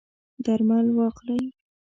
درمل واخلئ